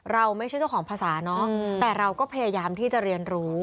เราไม่ใช่เจ้าของภาษาเนาะแต่เราก็พยายามที่จะเรียนรู้